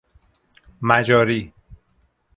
مجاری